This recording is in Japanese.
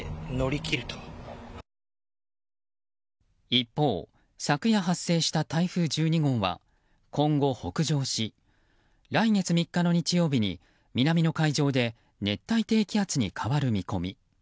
一方、昨夜発生した台風１２号は今後北上し来月３日の日曜日に南の海上で熱帯低気圧に変わる見込み。